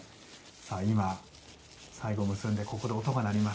今最後結んでここで音が鳴ります。